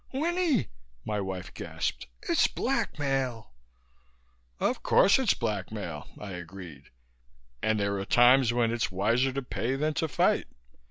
"Winnie!" my wife gasped. "It's blackmail!" "Of course it's blackmail," I agreed, "and there are times when it's wiser to pay than to fight.